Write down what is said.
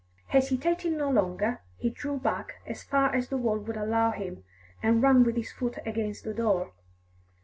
Hesitating no longer, he drew back as far as the wall would allow him, and ran with his foot against the door.